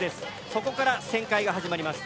そこから旋回が始まります。